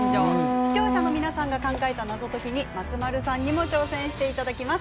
視聴者の皆さんが考えた謎解きに松丸さんにも挑戦していただきます。